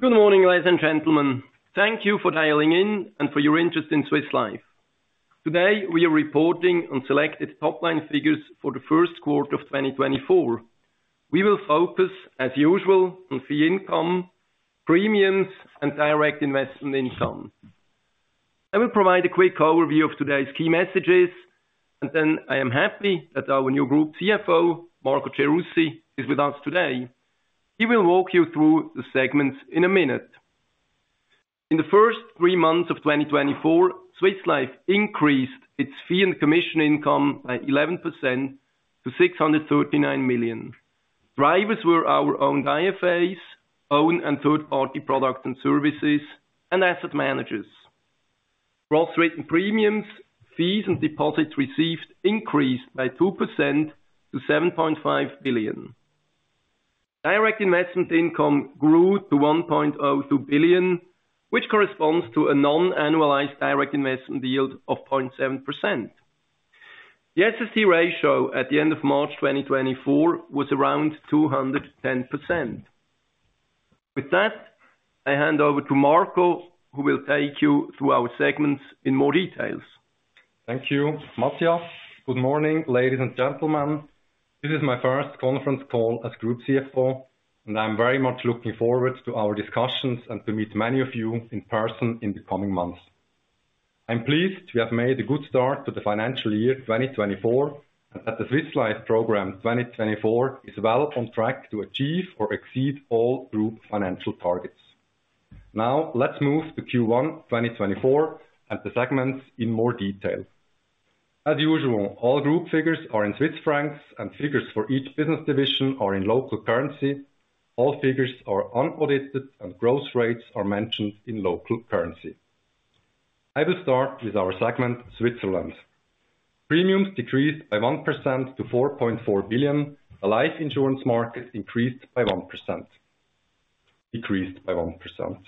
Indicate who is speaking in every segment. Speaker 1: Good morning, ladies and gentlemen. Thank you for dialing in and for your interest in Swiss Life. Today, we are reporting on selected top-line figures for the first quarter of 2024. We will focus, as usual, on fee income, premiums, and direct investment income. I will provide a quick overview of today's key messages, and then I am happy that our new group CFO, Marco Gerussi, is with us today. He will walk you through the segments in a minute. In the first three months of 2024, Swiss Life increased its fee and commission income by 11% to 639 million. Drivers were our own IFAs, own and third-party products and services, and Asset Managers. Gross written premiums, fees, and deposits received increased by 2% to 7.5 billion. Direct investment income grew to 1.02 billion, which corresponds to a non-annualized direct investment yield of 0.7%. The SST ratio at the end of March 2024 was around 210%. With that, I hand over to Marco, who will take you through our segments in more details.
Speaker 2: Thank you, Matthias. Good morning, ladies and gentlemen. This is my first conference call as Group CFO, and I'm very much looking forward to our discussions and to meet many of you in person in the coming months. I'm pleased we have made a good start to the financial year 2024, and that the Swiss Life 2024 program is well on track to achieve or exceed all group financial targets. Now, let's move to Q1 2024 and the segments in more detail. As usual, all group figures are in Swiss francs, and figures for each business division are in local currency. All figures are unaudited, and growth rates are mentioned in local currency. I will start with our segment, Switzerland. Premiums decreased by 1% to 4.4 billion. The life insurance market increased by 1%, decreased by 1%.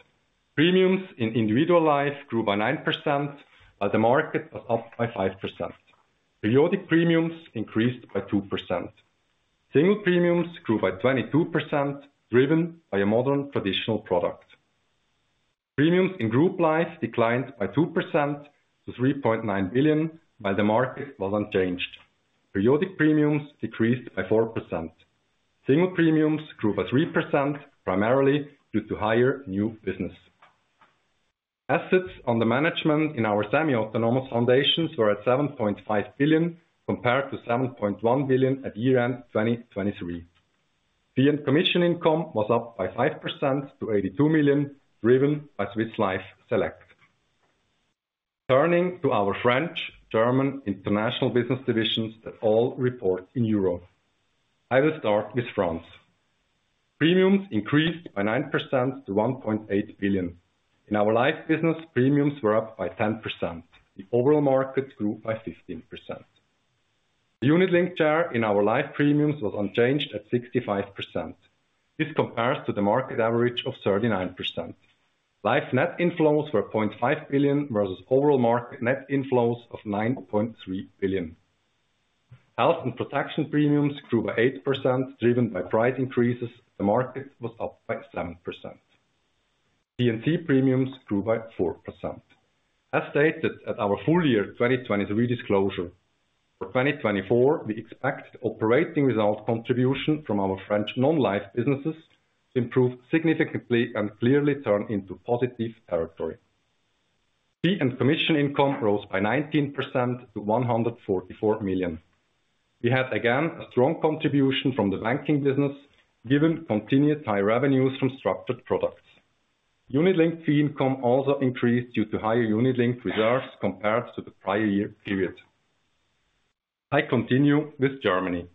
Speaker 2: Premiums in individual life grew by 9%, while the market was up by 5%. Periodic premiums increased by 2%. Single premiums grew by 22%, driven by a modern traditional product. Premiums in group life declined by 2% to 3.9 billion, while the market was unchanged. Periodic premiums decreased by 4%. Single premiums grew by 3%, primarily due to higher new business. Assets under management in our semi-autonomous foundations were at 7.5 billion, compared to 7.1 billion at year-end 2023. Fee and commission income was up by 5% to 82 million, driven by Swiss Life Select. Turning to our French-German international business divisions that all report in Europe. I will start with France. Premiums increased by 9% to 1.8 billion. In our life business, premiums were up by 10%. The overall market grew by 15%. The unit-linked share in our life premiums was unchanged at 65%. This compares to the market average of 39%. Life net inflows were 0.5 billion, versus overall market net inflows of 9.3 billion. Health and protection premiums grew by 8%, driven by price increases. The market was up by 7%. P&C premiums grew by 4%. As stated at our full year 2023 disclosure, for 2024, we expect operating result contribution from our French non-life businesses to improve significantly and clearly turn into positive territory. Fee and commission income rose by 19% to 144 million. We had, again, a strong contribution from the banking business, given continued high revenues from structured products. Unit-linked fee income also increased due to higher unit-linked reserves compared to the prior year period. I continue with Germany.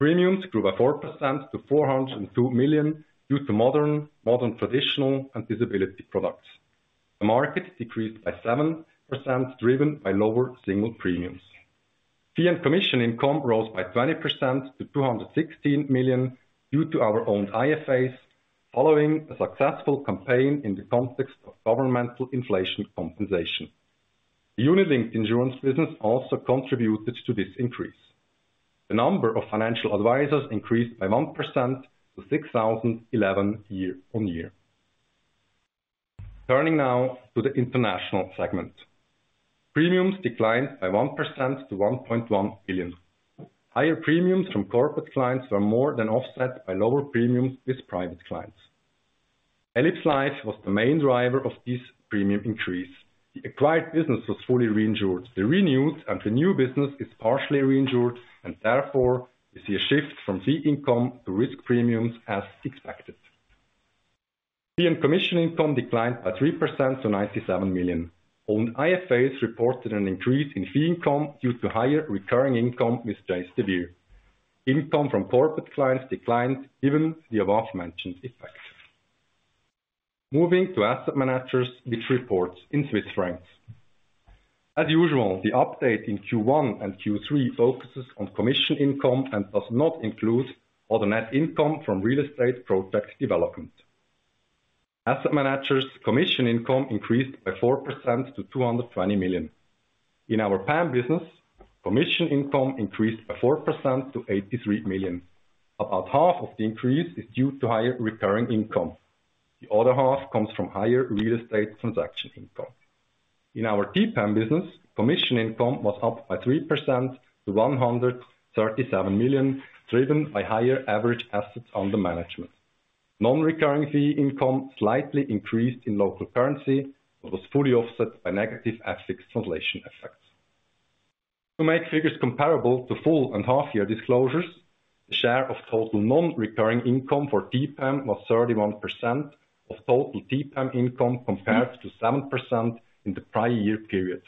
Speaker 2: Premiums grew by 4% to 402 million due to modern traditional and disability products. The market decreased by 7%, driven by lower single premiums. Fee and commission income rose by 20% to 216 million due to our own IFAs, following a successful campaign in the context of governmental inflation compensation. The unit-linked insurance business also contributed to this increase. The number of financial advisors increased by 1% to 6,011 year-on-year. Turning now to the international segment. Premiums declined by 1% to 1.1 billion. Higher premiums from corporate clients were more than offset by lower premiums with private clients. Ellipse Life was the main driver of this premium increase. The acquired business was fully reinsured. The renewed and the new business is partially reinsured, and therefore, we see a shift from fee income to risk premiums, as expected. Fee and commission income declined by 3% to 97 million. own IFAs reported an increase in fee income due to higher recurring income with Chase de Vere. Income from corporate clients declined, given the above-mentioned effects. Moving to Asset Managers, which reports in Swiss francs. As usual, the update in Q1 and Q3 focuses on commission income and does not include all the net income from real estate project development. Asset managers commission income increased by 4% to 220 million. In our PAM business, commission income increased by 4% to 83 million. About half of the increase is due to higher recurring income. The other half comes from higher real estate transaction income. In our TPAM business, commission income was up by 3% to 137 million, driven by higher average assets under management. Non-recurring fee income slightly increased in local currency, but was fully offset by negative FX translation effects. To make figures comparable to full and half year disclosures, the share of total non-recurring income for TPAM was 31% of total TPAM income, compared to 7% in the prior year period.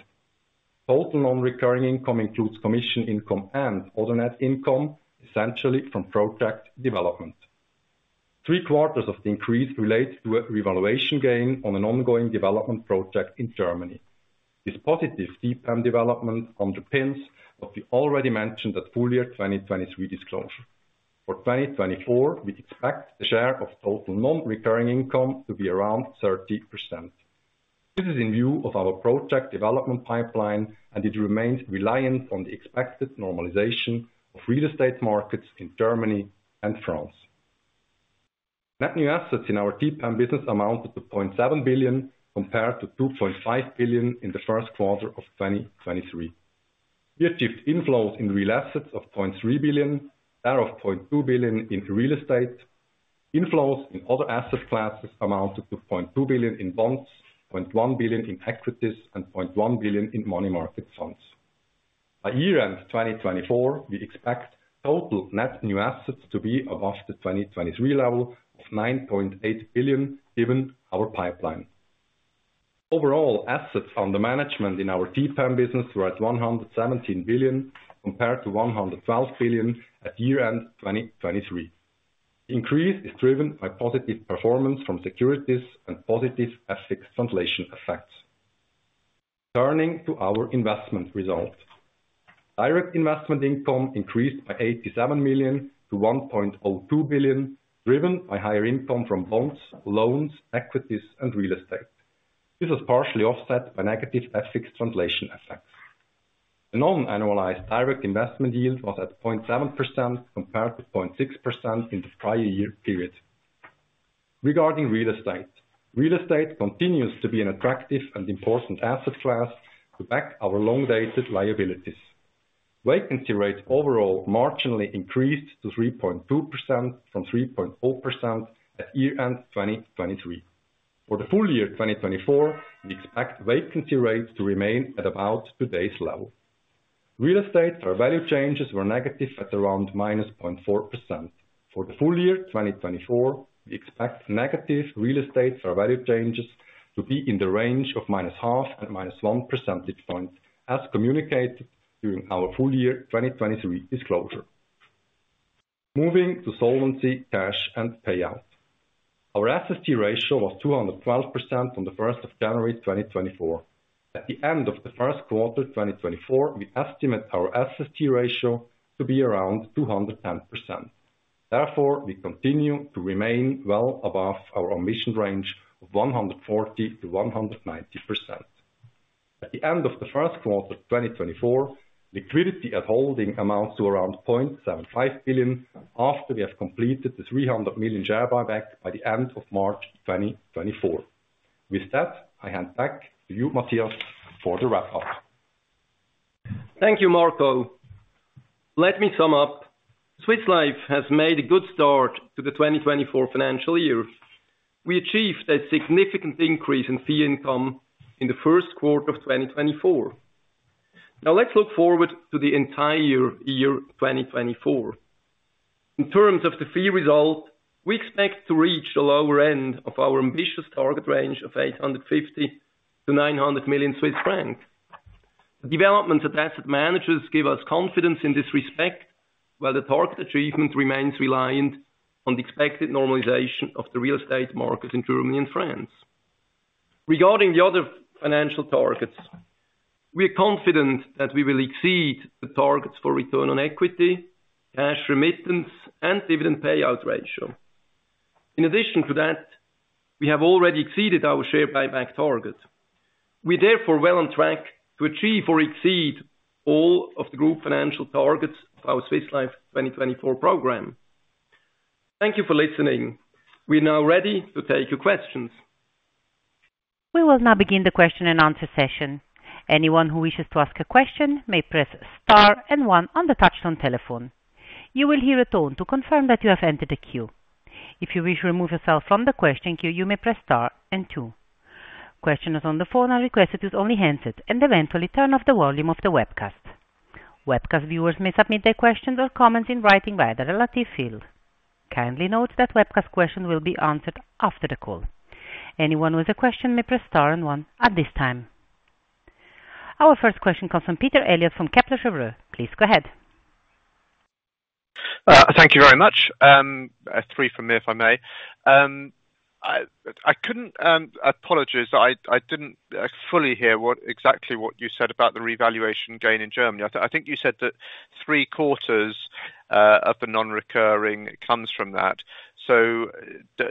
Speaker 2: Total non-recurring income includes commission income and other net income, essentially from project development. Three quarters of the increase relates to a revaluation gain on an ongoing development project in Germany. This positive TPAM development underpins what we already mentioned at full year 2023 disclosure. For 2024, we expect the share of total non-recurring income to be around 30%. This is in view of our project development pipeline, and it remains reliant on the expected normalization of real estate markets in Germany and France. Net new assets in our TPAM business amounted to 0.7 billion, compared to 2.5 billion in the first quarter of 2023. We achieved inflows in real assets of 0.3 billion, thereof 0.2 billion in real estate. Inflows in other asset classes amounted to 0.2 billion in bonds, 0.1 billion in equities, and 0.1 billion in money market funds. By year-end 2024, we expect total net new assets to be above the 2023 level of 9.8 billion, given our pipeline. Overall, assets under management in our TPAM business were at 117 billion, compared to 112 billion at year-end 2023. Increase is driven by positive performance from securities and positive FX translation effects. Turning to our investment results. Direct investment income increased by 87 million to 1.02 billion, driven by higher income from bonds, loans, equities, and real estate. This was partially offset by negative FX translation effects. The non-annualized direct investment yield was at 0.7%, compared to 0.6% in the prior year period. Regarding real estate, real estate continues to be an attractive and important asset class to back our long-dated liabilities. Vacancy rates overall marginally increased to 3.2% from 3.4% at year end 2023. For the full year 2024, we expect vacancy rates to remain at about today's level. Real estate fair value changes were negative at around -0.4%. For the full year 2024, we expect negative real estate fair value changes to be in the range of -0.5% and -1% point, as communicated during our full year 2023 disclosure. Moving to solvency, cash, and payout. Our SST ratio was 212% on the first of January, 2024. At the end of the first quarter, 2024, we estimate our SST ratio to be around 210%. Therefore, we continue to remain well above our target range of 140%-190%. At the end of the first quarter, 2024, liquidity at holding amounts to around 0.75 billion, after we have completed the 300 million share buyback by the end of March 2024. With that, I hand back to you, Matthias, for the wrap-up.
Speaker 1: Thank you, Marco. Let me sum up. Swiss Life has made a good start to the 2024 financial year. We achieved a significant increase in fee income in the first quarter of 2024. Now, let's look forward to the entire year, year 2024. In terms of the fee result, we expect to reach the lower end of our ambitious target range of 850 million-900 million Swiss francs. The developments of Asset Managers give us confidence in this respect, while the target achievement remains reliant on the expected normalization of the real estate market in Germany and France. Regarding the other financial targets, we are confident that we will exceed the targets for return on equity, cash remittance, and dividend payout ratio. In addition to that, we have already exceeded our share buyback target. We're therefore well on track to achieve or exceed all of the group financial targets of our Swiss Life 2024 program. Thank you for listening. We are now ready to take your questions.
Speaker 3: We will now begin the question and answer session. Anyone who wishes to ask a question may press star and one on the touchtone telephone. You will hear a tone to confirm that you have entered the queue. If you wish to remove yourself from the question queue, you may press star and two. Questions on the phone are requested with only handset and eventually turn off the volume of the webcast. Webcast viewers may submit their questions or comments in writing via the relevant field. Kindly note that webcast questions will be answered after the call. Anyone with a question may press star and one at this time. Our first question comes from Peter Eliot from Kepler Cheuvreux. Please go ahead.
Speaker 4: Thank you very much. Three from me, if I may. Apologies, I didn't fully hear what, exactly what you said about the revaluation gain in Germany. I think you said that three quarters of the non-recurring comes from that. So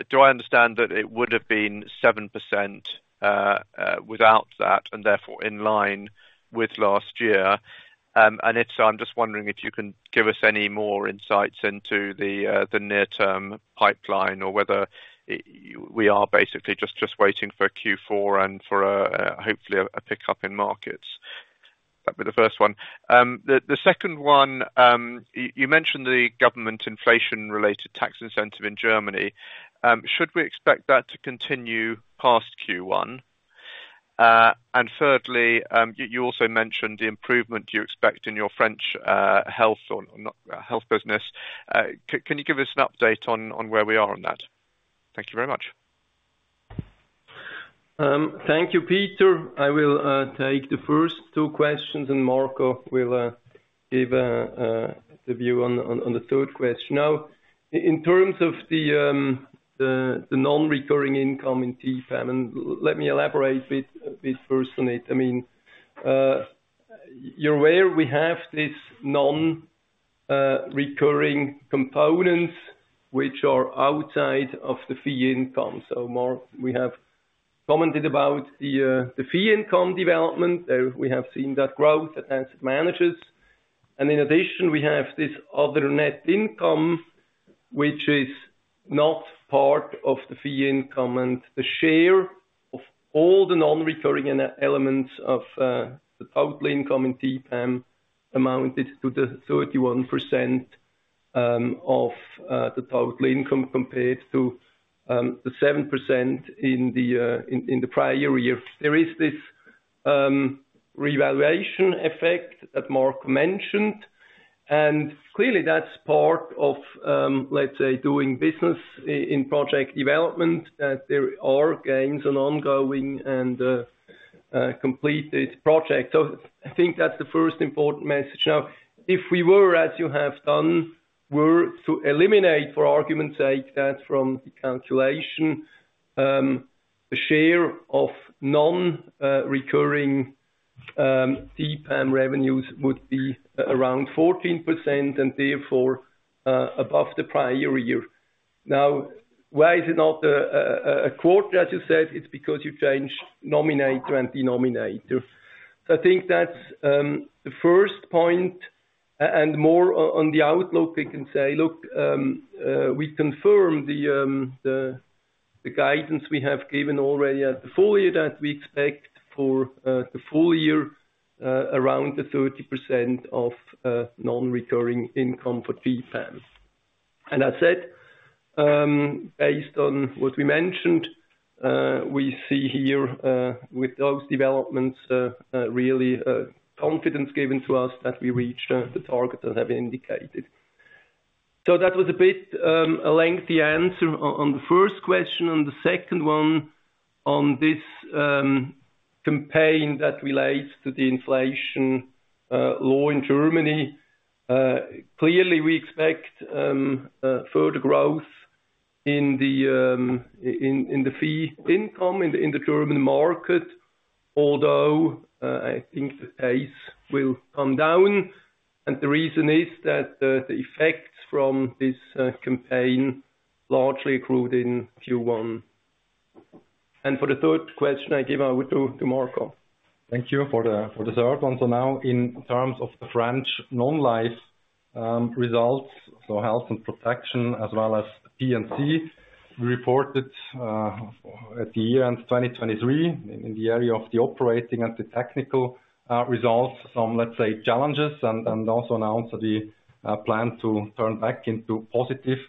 Speaker 4: do I understand that it would have been 7% without that, and therefore, in line with last year? And if so, I'm just wondering if you can give us any more insights into the near-term pipeline, or whether we are basically just waiting for Q4 and for, hopefully, a pickup in markets? That'd be the first one. The second one, you mentioned the government inflation-related tax incentive in Germany. Should we expect that to continue past Q1? Thirdly, you also mentioned the improvement you expect in your French health or non-health business. Can you give us an update on where we are on that? Thank you very much.
Speaker 1: Thank you, Peter. I will take the first two questions, and Marco will give the view on the third question. Now, in terms of the non-recurring income in TPAM, and let me elaborate a bit first on it. I mean, you're aware we have this non-recurring components which are outside of the fee income. So Marco, we have commented about the fee income development. We have seen that growth as it manages, and in addition, we have this other net income, which is not part of the fee income. And the share of all the non-recurring elements of the total income in TPAM amounted to the 31% of the total income, compared to the 7% in the prior year. There is this revaluation effect that Marco mentioned, and clearly that's part of, let's say, doing business in project development, that there are gains on ongoing and completed project. So I think that's the first important message. Now, if we were, as you have done, to eliminate, for argument's sake, that from the calculation, the share of non-recurring TPAM revenues would be around 14%, and therefore, above the prior year. Now, why is it not a quarter, as you said? It's because you changed numerator and denominator. So I think that's the first point, and more on the outlook, I can say, look, we confirm the guidance we have given already at the full year, that we expect for the full year around 30% of non-recurring income for TPAM. And as said, based on what we mentioned, we see here really confidence given to us that we reached the target that have been indicated. So that was a bit a lengthy answer on the first question. On the second one, on this, campaign that relates to the inflation law in Germany, clearly we expect further growth in the fee income in the German market, although I think the pace will come down. The reason is that the effects from this campaign largely accrued in Q1. For the third question I give over to Marco.
Speaker 2: Thank you for the third one. So now, in terms of the French non-life results, so health and protection, as well as P&C, we reported at the year end 2023, in the area of the operating and the technical results, some, let's say, challenges, and also announced the plan to turn back into positive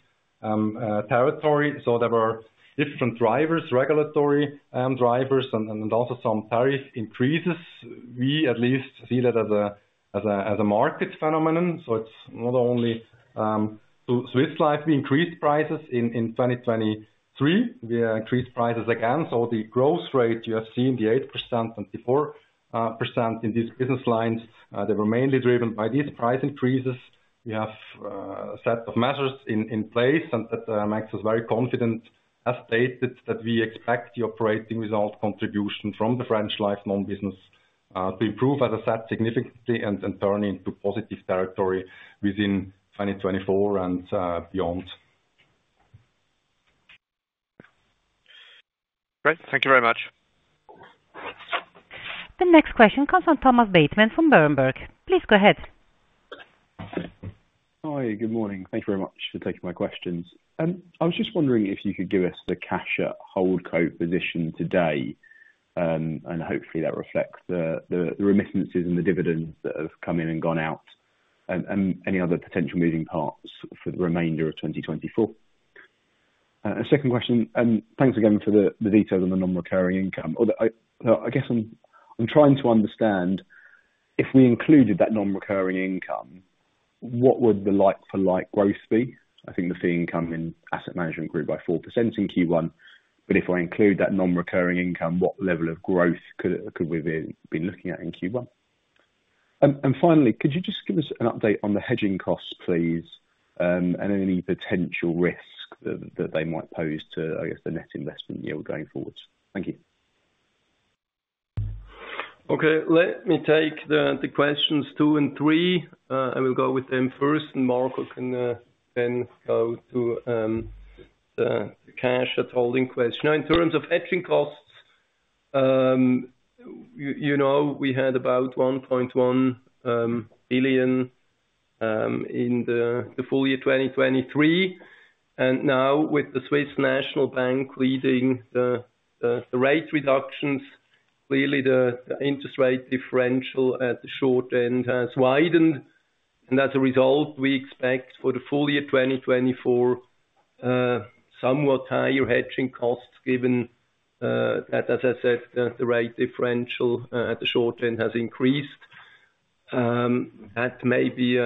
Speaker 2: territory. So there were different drivers, regulatory drivers and also some tariff increases. We at least see that as a market phenomenon, so it's not only, so Swiss Life, we increased prices in 2023. We increased prices again, so the growth rate you have seen, the 8% and the 4% in these business lines, they were mainly driven by these price increases. We have a set of measures in place, and that makes us very confident, as stated, that we expect the operating result contribution from the French non-life business to improve as a set significantly and then turn into positive territory within 2024 and beyond.
Speaker 4: Great. Thank you very much.
Speaker 3: The next question comes from Thomas Bateman from Berenberg. Please go ahead.
Speaker 5: Hi, good morning. Thank you very much for taking my questions. I was just wondering if you could give us the cash at holdco position today, and hopefully that reflects the remittances and the dividends that have come in and gone out, and any other potential moving parts for the remainder of 2024. A second question, and thanks again for the details on the non-recurring income. I guess I'm trying to understand, if we included that non-recurring income, what would the like for like growth be? I think the fee income in asset management grew by 4% in Q1, but if I include that non-recurring income, what level of growth could we be looking at in Q1? Finally, could you just give us an update on the hedging costs, please, and any potential risk that they might pose to, I guess, the net investment yield going forward? Thank you.
Speaker 1: Okay, let me take the questions two and three. I will go with them first, and Marco can then go to the cash at holding question. Now, in terms of hedging costs, you know, we had about 1.1 billion in the full year 2023, and now with the Swiss National Bank leading the rate reductions, clearly the interest rate differential at the short end has widened, and as a result, we expect for the full year 2024, somewhat higher hedging costs, given that, as I said, the rate differential at the short end has increased. That may be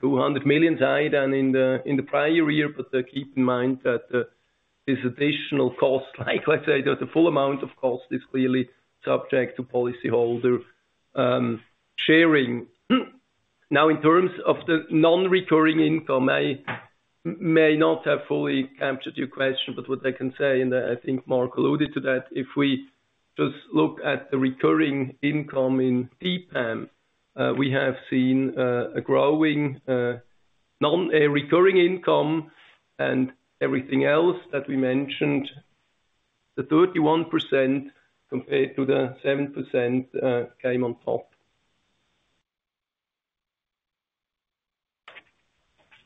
Speaker 1: 200 million higher than in the prior year, but keep in mind that this additional cost, like I say, the full amount of cost is clearly subject to policyholder sharing. Now, in terms of the non-recurring income, I may not have fully captured your question, but what I can say, and I think Marco alluded to that, if we just look at the recurring income in TPAM, we have seen a growing non-recurring income and everything else that we mentioned, the 31% compared to the 7% came on top.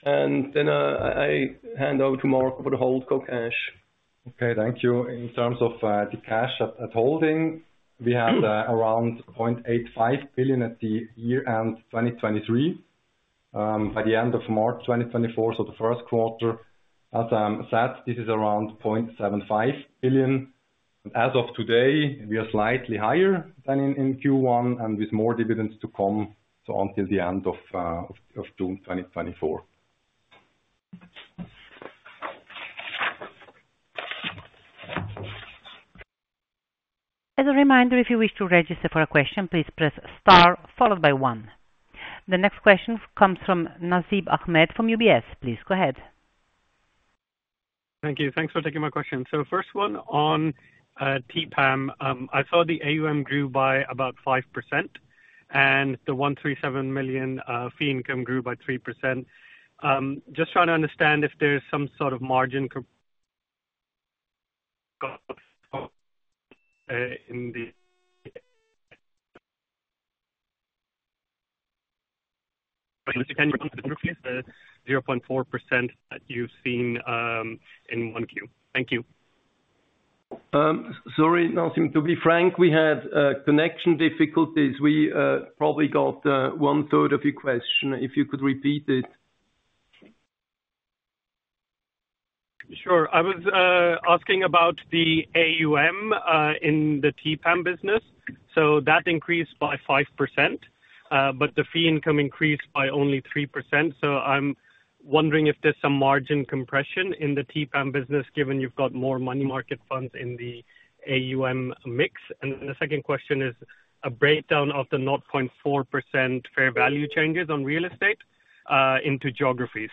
Speaker 1: And then, I hand over to Marco for the holdco cash.
Speaker 2: Okay, thank you. In terms of the cash at holding, we had around 0.85 billion at the year end 2023. By the end of March 2024, so the first quarter, as said, this is around 0.75 billion. As of today, we are slightly higher than in Q1 and with more dividends to come, so until the end of June 2024.
Speaker 3: As a reminder, if you wish to register for a question, please press star followed by one. The next question comes from Nasib Ahmed from UBS. Please go ahead.
Speaker 6: Thank you. Thanks for taking my question. So first one on TPAM. I saw the AUM grew by about 5%, and the 137 million fee income grew by 3%. Just trying to understand if there is some sort of margin compression in the 0.4% that you've seen in 1Q. Thank you.
Speaker 1: Sorry, Nasib. To be frank, we had connection difficulties. We probably got 1/3 of your question. If you could repeat it?
Speaker 6: Sure. I was asking about the AUM in the TPAM business. So that increased by 5%, but the fee income increased by only 3%. So I'm wondering if there's some margin compression in the TPAM business, given you've got more money market funds in the AUM mix. And the second question is a breakdown of the 0.4% fair value changes on real estate into geographies.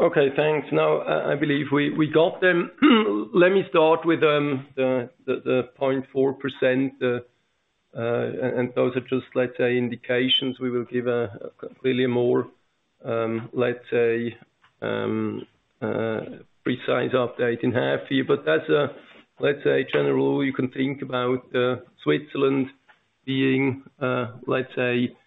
Speaker 1: Okay, thanks. Now, I believe we got them. Let me start with the 0.4%, and those are just, let's say, indications. We will give a clearly more, let's say, precise update in half year. But that's a, let's say, general, you can think about Switzerland being the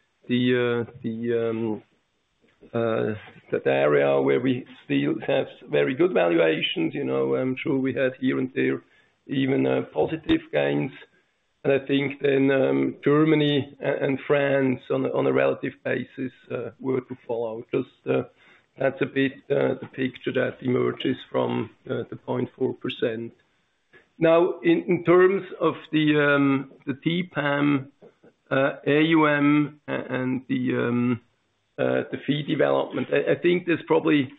Speaker 1: area where we still have very good valuations. You know, I'm sure we had here and there even positive gains. And I think then Germany and France on a relative basis were to follow. Just, that's a bit the picture that emerges from the 0.4%. Now, in terms of the TPAM, AUM and the fee development, I think there's probably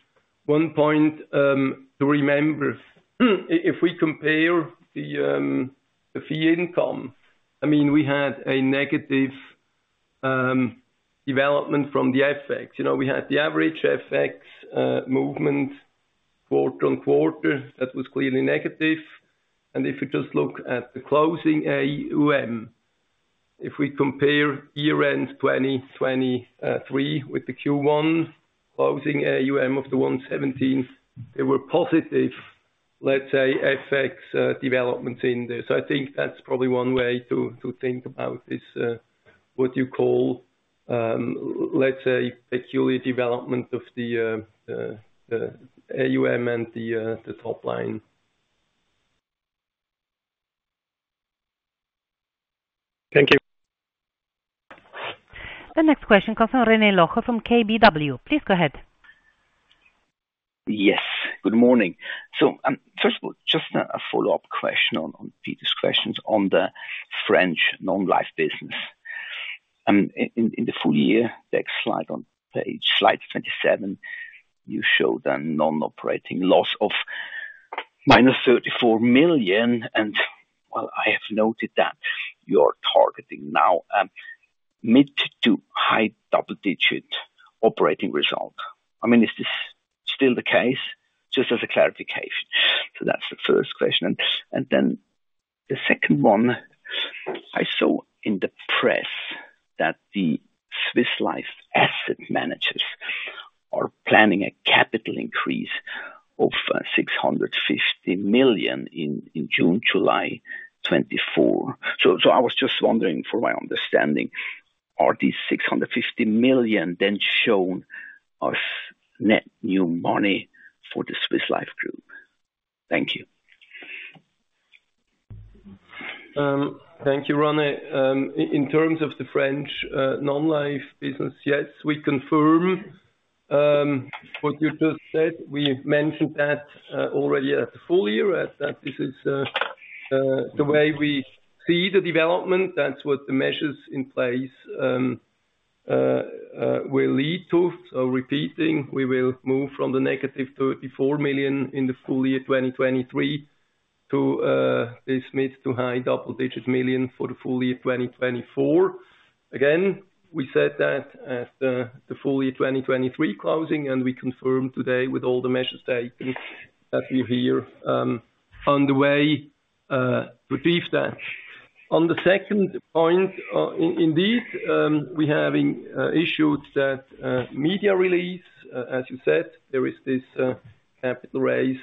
Speaker 1: one point to remember. If we compare the fee income, I mean, we had a negative development from the FX. You know, we had the average FX movement quarter-on-quarter. That was clearly negative. And if you just look at the closing AUM, if we compare year-end 2023 with the Q1 closing AUM of 117, they were positive, let's say, FX developments in there. So I think that's probably one way to think about this, what you call, let's say, security development of the AUM and the top line.
Speaker 7: Thank you.
Speaker 3: The next question comes from René Locher from KBW. Please go ahead.
Speaker 7: Yes, good morning. First of all, just a follow-up question on Peter's questions on the French non-life business. In the full year, next slide, on slide 27, you show the non-operating loss of -34 million, and well, I have noted that you're targeting now mid- to high double-digit operating result. I mean, is this still the case? Just as a clarification. So that's the first question, and then the second one: I saw in the press that the Swiss Life Asset Managers are planning a capital increase of 650 million in June, July 2024. So I was just wondering, for my understanding, are these 650 million then shown as net new money for the Swiss Life Group? Thank you.
Speaker 1: Thank you, Ronnie. In terms of the French non-life business, yes, we confirm what you just said. We mentioned that already at the full year, that this is the way we see the development. That's what the measures in place will lead to. So repeating, we will move from the -34 million in the full year 2023, to this mid- to high double-digit million for the full year 2024. Again, we said that at the full year 2023 closing, and we confirm today with all the measures taken, that we're here on the way to achieve that. On the second point, indeed, we having issued that media release, as you said, there is this capital raise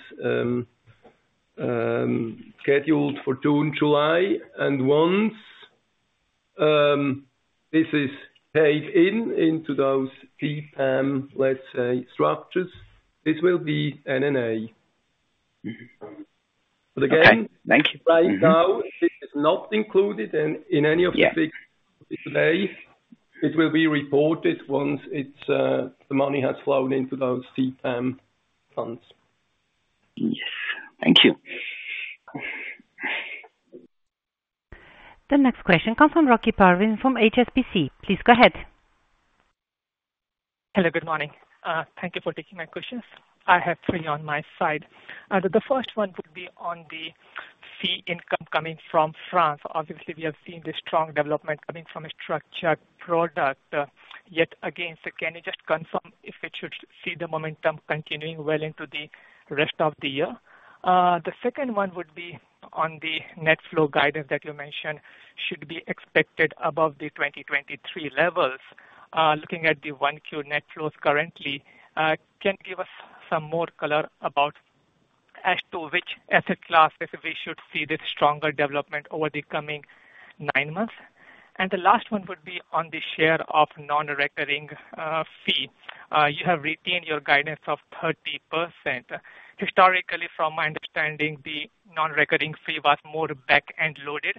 Speaker 1: scheduled for June, July. Once this is paid in into those TPAM, let's say, structures, this will be NNA.
Speaker 7: Okay. Thank you.
Speaker 1: But again, right now, this is not included in any of the.
Speaker 7: Yeah.
Speaker 1: Today. It will be reported once it's the money has flowed into those TPAM funds.
Speaker 7: Yes. Thank you.
Speaker 3: The next question comes from Rocky Parvin from HSBC. Please go ahead.
Speaker 8: Hello, good morning. Thank you for taking my questions. I have three on my side. The first one would be on the fee income coming from France. Obviously, we have seen the strong development coming from a structured product, yet again. So can you just confirm if we should see the momentum continuing well into the rest of the year? The second one would be on the net flow guidance that you mentioned, should be expected above the 2023 levels. Looking at the Q1 net flows currently, can you give us some more color about as to which asset class, if we should see this stronger development over the coming nine months? And the last one would be on the share of non-recurring fee. You have retained your guidance of 30%. Historically, from my understanding, the non-recurring fee was more back-end loaded.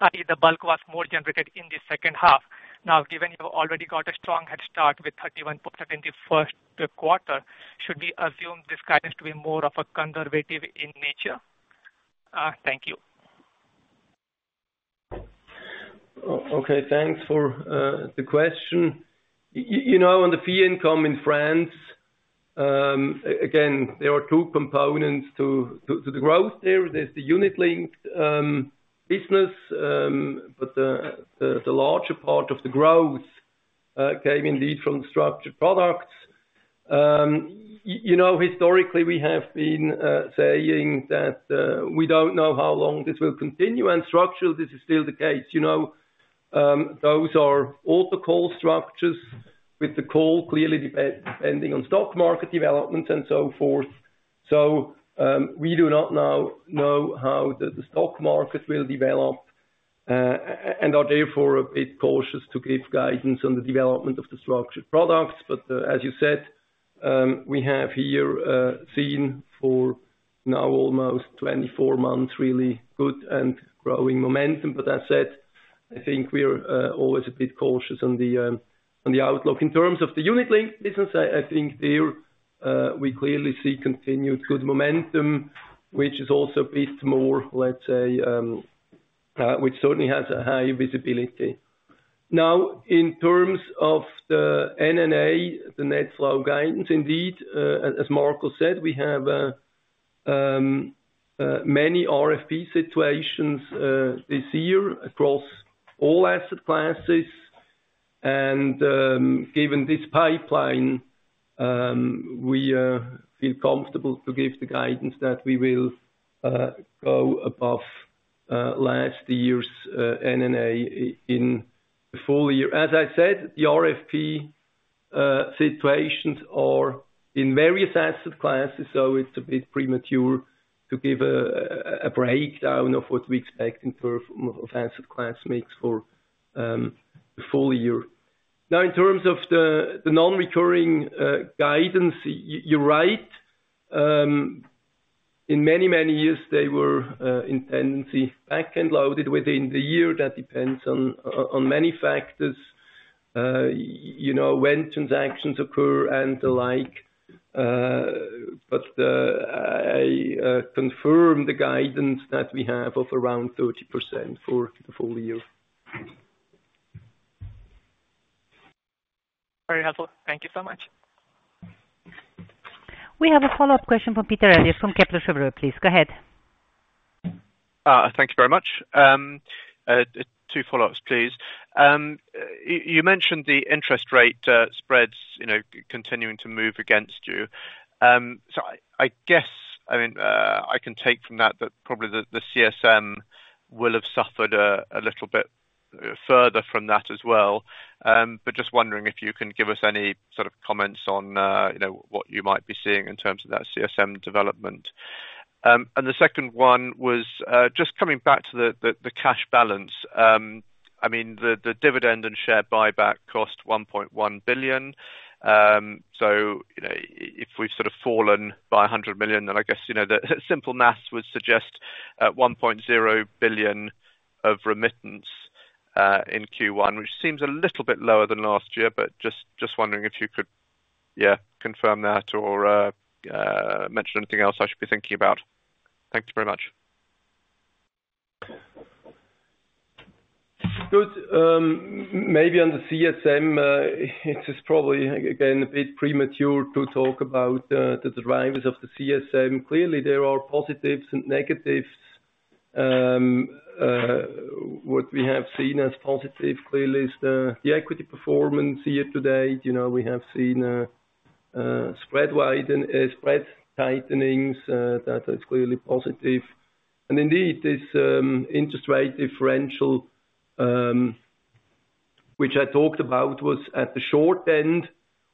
Speaker 8: i.e., the bulk was more generated in the second half. Now, given you've already got a strong head start with 31% in the first quarter, should we assume this guidance to be more of a conservative in nature? Thank you.
Speaker 1: Okay, thanks for the question. You know, on the fee income in France, again, there are two components to the growth there. There's the unit-linked business, but the larger part of the growth came indeed from structured products. You know, historically, we have been saying that we don't know how long this will continue, and structurally, this is still the case. You know, those are all the call structures with the call clearly depending on stock market developments and so forth. So, we do not know how the stock market will develop and are therefore a bit cautious to give guidance on the development of the structured products. But, as you said, we have here seen for now almost 24 months, really good and growing momentum. But that said, I think we are always a bit cautious on the outlook. In terms of the unit-linked business, I think we clearly see continued good momentum, which is also a bit more, let's say, which certainly has a high visibility. Now, in terms of the NNA, the net flow guidance, indeed, as Marco said, we have many RFP situations this year across all asset classes, and given this pipeline, we feel comfortable to give the guidance that we will go above last year's NNA in the full year. As I said, the RFP situations are in various asset classes, so it's a bit premature to give a breakdown of what we expect in terms of asset class mix for the full year. Now, in terms of the non-recurring guidance, you're right. In many, many years they were, in tendency, back and loaded within the year. That depends on, on many factors, you know, when transactions occur and the like. But, I confirm the guidance that we have of around 30% for the full year.
Speaker 8: Very helpful. Thank you so much.
Speaker 3: We have a follow-up question from Peter Eliot from Kepler Cheuvreux. Please, go ahead.
Speaker 4: Thank you very much. Two follow-ups, please. You mentioned the interest rate spreads, you know, continuing to move against you. So I guess, I mean, I can take from that that probably the CSM will have suffered a little bit further from that as well. But just wondering if you can give us any sort of comments on, you know, what you might be seeing in terms of that CSM development. And the second one was just coming back to the cash balance. I mean, the dividend and share buyback cost 1.1 billion. So, you know, if we've sort of fallen by 100 million, then I guess, you know, the simple math would suggest, 1.0 billion of remittance, in Q1, which seems a little bit lower than last year. But just, just wondering if you could, yeah, confirm that or, mention anything else I should be thinking about. Thank you very much.
Speaker 1: Good. Maybe on the CSM, it is probably, again, a bit premature to talk about the drivers of the CSM. Clearly, there are positives and negatives. What we have seen as positive, clearly, is the equity performance year to date. You know, we have seen spread tightenings, that is clearly positive. And indeed, this interest rate differential, which I talked about, was at the short end,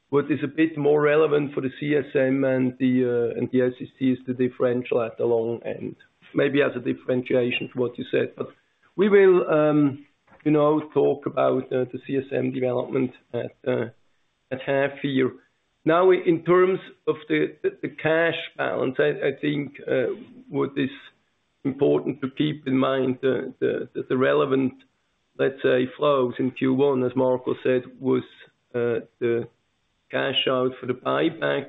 Speaker 1: which is a bit more relevant for the CSM and the uncertain is the differential at the long end. Maybe as a differentiation to what you said. But we will, you know, talk about the CSM development at half year. Now, in terms of the cash balance, I think what is important to keep in mind, the relevant, let's say, flows in Q1, as Marco said, was the cash out for the buyback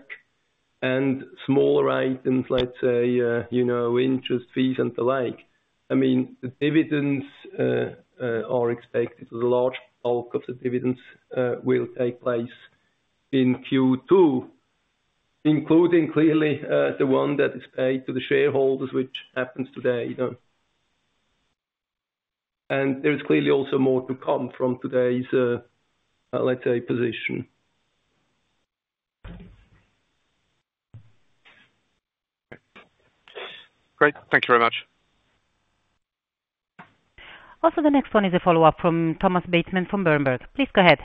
Speaker 1: and smaller items, let's say, you know, interest fees and the like. I mean, the dividends are expected. The large bulk of the dividends will take place in Q2, including clearly the one that is paid to the shareholders, which happens today, you know. And there is clearly also more to come from today's, let's say, position.
Speaker 4: Great. Thank you very much.
Speaker 3: Also, the next one is a follow-up from Thomas Bateman from Berenberg. Please go ahead.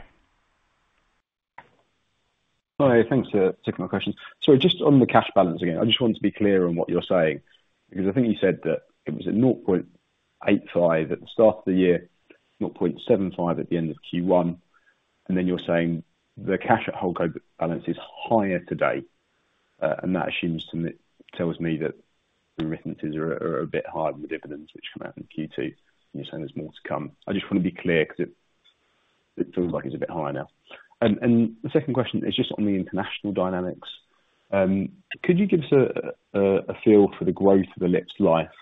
Speaker 5: Hi, thanks for taking my questions. So just on the cash balance again, I just want to be clear on what you're saying, because I think you said that it was at 0.85 at the start of the year, 0.75 at the end of Q1, and then you're saying the cash at holdco balance is higher today. And that assumes to me, tells me that remittances are a bit higher than the dividends, which come out in Q2, and you're saying there's more to come. I just want to be clear, 'cause it feels like it's a bit higher now. And the second question is just on the international dynamics. Could you give us a feel for the growth of the international life?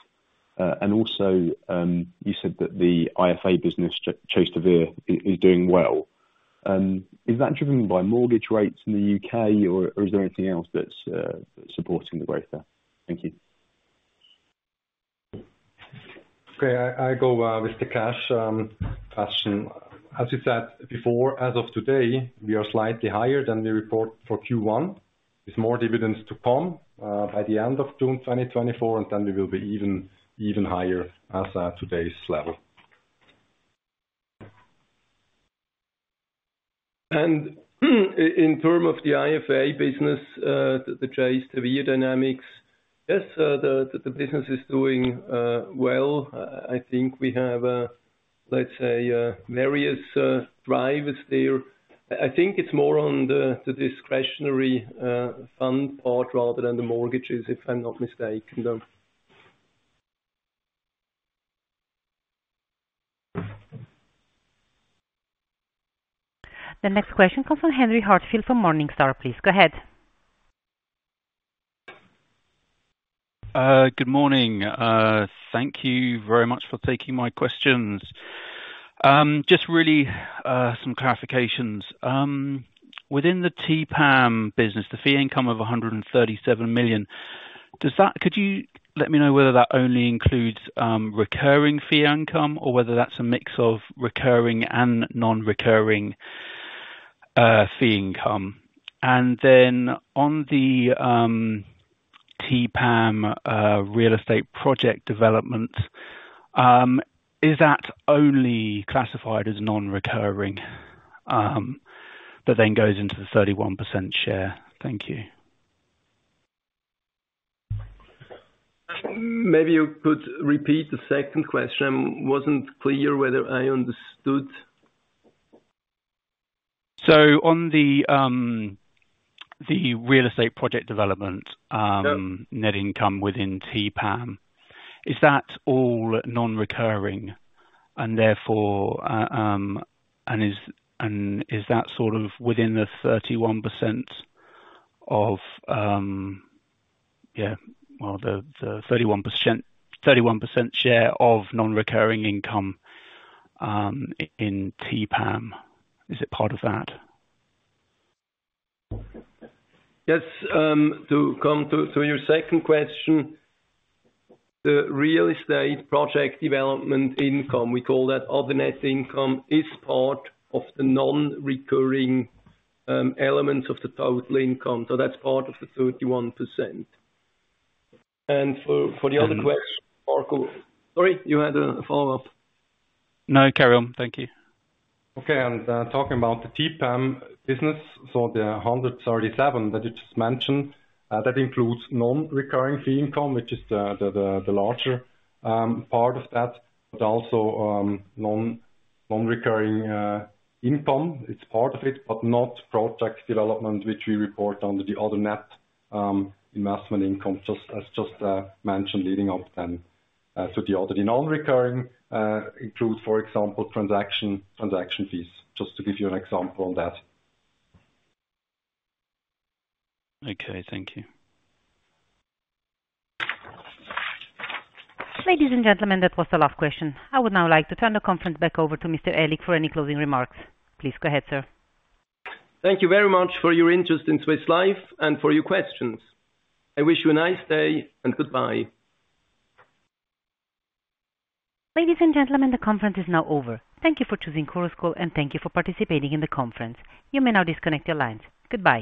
Speaker 5: And also, you said that the IFA business, Chase de Vere, is doing well. Is that driven by mortgage rates in the UK, or is there anything else that's supporting the growth there? Thank you.
Speaker 1: Okay, I go with the cash question. As I said before, as of today, we are slightly higher than the report for Q1, with more dividends to come by the end of June 2024, and then we will be even higher as at today's level. In terms of the IFA business, the cash flow dynamics, yes, the business is doing well. I think we have, let's say, various drivers there. I think it's more on the discretionary fund part rather than the mortgages, if I'm not mistaken, though.
Speaker 3: The next question comes from Henry Heathfield from Morningstar. Please go ahead.
Speaker 9: Good morning. Thank you very much for taking my questions. Just really some clarifications. Within the TPAM business, the fee income of 137 million, does that. Could you let me know whether that only includes recurring fee income, or whether that's a mix of recurring and non-recurring fee income? And then on the TPAM real estate project development, is that only classified as non-recurring, but then goes into the 31% share? Thank you.
Speaker 1: Maybe you could repeat the second question. Wasn't clear whether I understood.
Speaker 9: So on the real estate project development.
Speaker 1: Yep.
Speaker 9: Net income within TPAM, is that all non-recurring, and therefore, and is that sort of within the 31% of, yeah, well, the 31% share of non-recurring income, in TPAM? Is it part of that?
Speaker 1: Yes, to come to your second question, the real estate project development income, we call that other net income, is part of the non-recurring elements of the total income, so that's part of the 31%. And for the other question, Marco. Sorry, you had a follow-up?
Speaker 2: No, carry on. Thank you.
Speaker 1: Okay, and talking about the TPAM business, so the 137 that you just mentioned, that includes non-recurring fee income, which is the larger part of that, but also non-recurring income. It's part of it, but not project development, which we report under the other net investment income, just as mentioned leading up then. So the other non-recurring includes, for example, transaction fees, just to give you an example on that.
Speaker 9: Okay, thank you.
Speaker 3: Ladies and gentlemen, that was the last question. I would now like to turn the conference back over to Mr. Aellig for any closing remarks. Please go ahead, sir.
Speaker 1: Thank you very much for your interest in Swiss Life and for your questions. I wish you a nice day, and goodbye.
Speaker 3: Ladies and gentlemen, the conference is now over. Thank you for choosing Chorus Call, and thank you for participating in the conference. You may now disconnect your lines. Goodbye.